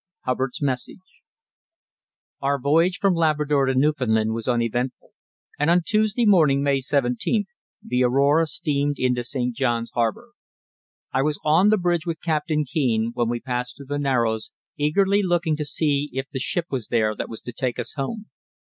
HUBBARD'S MESSAGE Out voyage from Labrador to Newfoundland was uneventful, and on Tuesday morning, May 17th, the Aurora steamed into St. Johns Harbour. I was on the bridge with Captain Kean when we passed through the narrows, eagerly looking to see if the ship was there that was to take us home.